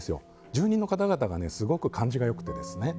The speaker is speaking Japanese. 住人の方々がすごく感じが良くてですね